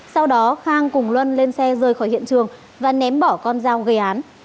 sau đó khang cùng luân lên xe rời khỏi hiện trường và ném bỏ con dao gây án